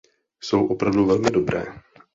Jsou opravdu velmi dobré.